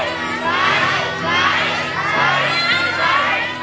ใช้